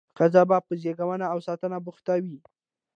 ښځې به په زیږون او ساتنه بوختې وې.